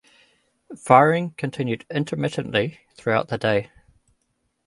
Firing continued intermittently throughout the day.